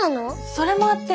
それもあって